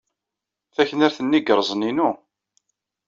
Taknart-nni ay yerrẓen inu.